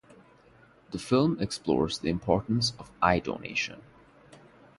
The film explores the importance of eye donation.